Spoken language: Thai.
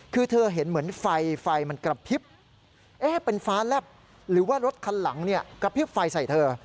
คือเธอเห็นเหมือนไฟไฟมันกระพริบเป็นฟ้าแลบหรือว่ารถคันหลังเนี่ยกระพริบไฟใส่เธอ